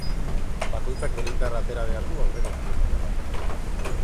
Bakoitzak bere indarra atera behar du aurrera egiteko.